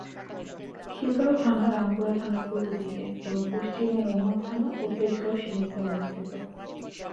খিলগাঁও থানা রামপুরা থানার পূর্বদিকে এবং পশ্চিমে রমনা থানা ও তেজগাঁও সীমান্তে অবস্থিত।